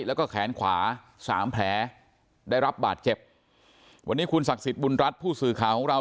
แล้วก็แขนขวาสามแผลได้รับบาดเจ็บวันนี้คุณศักดิ์สิทธิ์บุญรัฐผู้สื่อข่าวของเรา